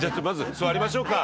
座りましょう。